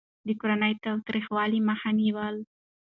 د کورني تاوتريخوالي مخه يې نيوله.